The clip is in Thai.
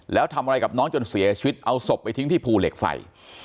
แล้วทำอะไรกับน้องจนเสียชีวิตเอาศพไปทิ้งที่ภูเหล็กไฟ